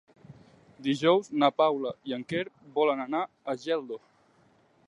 Dijous na Paula i en Quer volen anar a Geldo.